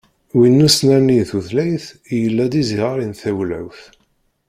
Win n usnerni i tutlayt i yella d iẓiɣer n teywalt.